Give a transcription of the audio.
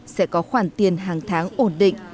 sẽ có khoản tiền hàng tháng ổn định